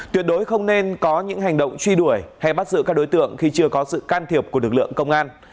tuyệt đối không nên có những hành động truy đuổi hay bắt giữ các đối tượng khi chưa có sự can thiệp của lực lượng công an